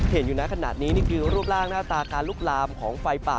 เห็นอยู่นะขนาดนี้นี่คือรูปร่างหน้าตาการลุกลามของไฟป่า